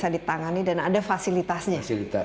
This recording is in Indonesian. dan ada fasilitasnya